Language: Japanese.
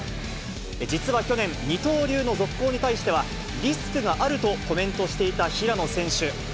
実は去年、二刀流の続行に対しては、リスクがあるとコメントしていた平野選手。